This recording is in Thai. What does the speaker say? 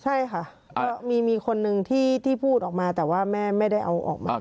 ใช่ค่ะก็มีคนนึงที่พูดออกมาแต่ว่าแม่ไม่ได้เอาออกมา